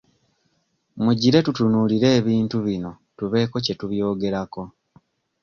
Mugire tutunuulire ebintu bino tubeeko kye tubyogerako.